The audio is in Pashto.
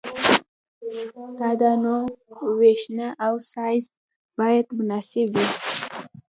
د دانو ویشنه او سایز باید مناسب وي